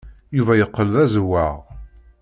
Yuba yeqqel d azewwaɣ.